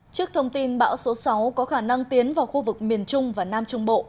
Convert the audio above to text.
trước thông tin bão số sáu có khả năng tiến vào khu vực miền trung và nam trung bộ